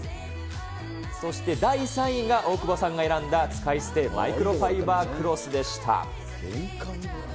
そして第３位が、大久保さんが選んだ使い捨てマイクロファイバークロスでした。